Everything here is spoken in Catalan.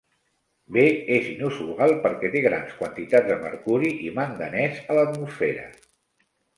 B és inusual perquè té grans quantitats de mercuri i manganès a l'atmosfera.